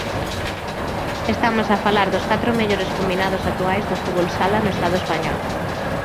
Estamos a falar dos catro mellores combinados actuais do fútbol sala no Estado español.